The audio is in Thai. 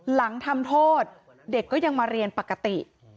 หลังทำโทษเด็กก็ยังมาเรียนปกติ